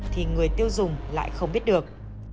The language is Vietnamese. thì người tiêu dùng lại không biết được